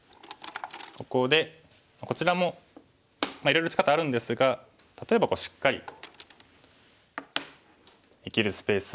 ここでこちらもいろいろ打ち方あるんですが例えばしっかり生きるスペースを確保しましょう。